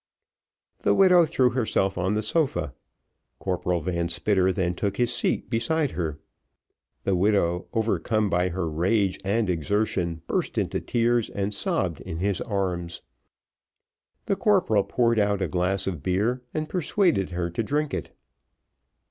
The widow threw herself on the sofa Corporal Van Spitter then took his seat beside her. The widow overcome by her rage and exertion, burst into tears and sobbed in his arms. The corporal poured out a glass of beer, and persuaded her to drink it.